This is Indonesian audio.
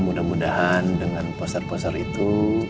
mudah mudahan dengan poster poster itu